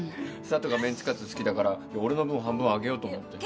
佐都がメンチカツ好きだから俺の分を半分あげようと思って。